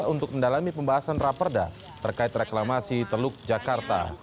untuk mendalami pembahasan raperda terkait reklamasi teluk jakarta